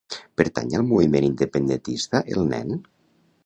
Pertany al moviment independentista el Nen?